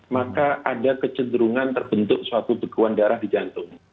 maka ada kecenderungan terbentuk suatu bekuan darah di jantung